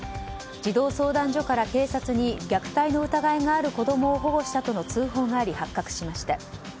児童相談所から警察に虐待の疑いがある子供を保護したとの通報があり発覚しました。